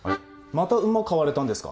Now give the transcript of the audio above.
また馬買われたんですか？